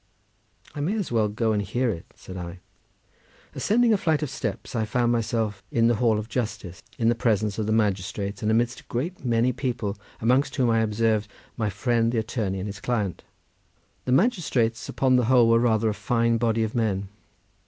"I may as well go and hear it," said I. Ascending a flight of steps, I found myself in the hall of justice, in the presence of the magistrates, and amidst a great many people, amongst whom I observed my friend the attorney and his client. The magistrates upon the whole were rather a fine body of men.